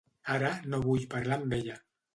Ara no vull parlar amb ella.